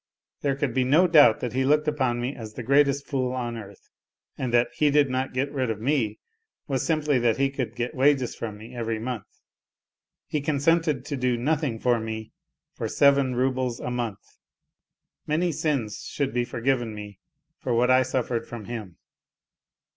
There could be no doubt that he looked upon me as the greatest fool on earth, and that " he did not get rid of me " was simply that he could get wages from me every month. He consented to do nothing for me for seven roubles a month. Many sins should be forgiven me for what I suffered from him.